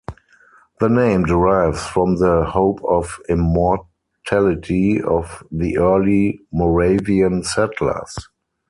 The name derives from the "hope of immortality" of the early Moravian settlers.